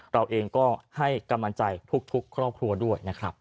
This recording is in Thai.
เราเองก็ให้กำลังใจทุกครอบครัวด้วยนะครับ